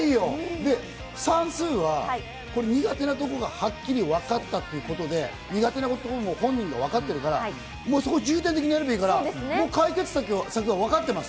で、算数は苦手なところがはっきりわかったってことで、苦手なところも本人がわかってるから、そこを重点的にやればいいから、解決策はわかってます。